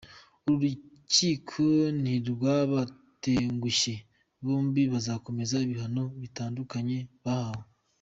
Uru rukiko ntirwabatengushye, bombi bazakomeza ibihano bitandukanye bahawe.